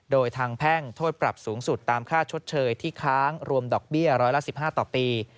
โดยทางแพ่งโทษปรับสูงสุดตามค่าชดเชยที่ค้างรวมดอกเบี้ยร้อยละ๑๕ต่อปี